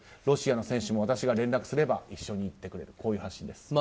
ロシアの選手も私が連絡すれば一緒に行ってくれる。